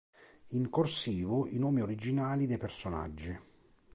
In "corsivo" i nomi originali dei personaggi.